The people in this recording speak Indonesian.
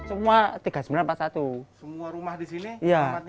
empat kali enam ya